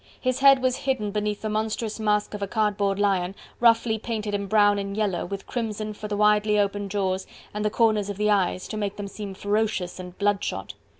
His head was hidden beneath the monstrous mask of a cardboard lion, roughly painted in brown and yellow, with crimson for the widely open jaws and the corners of the eyes, to make them seem ferocious and bloodshot.